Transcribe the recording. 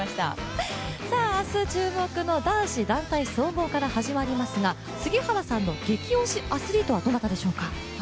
明日、注目の男子団体総合から始まりますが杉原さんの、激推しアスリートはどなたでしょうか？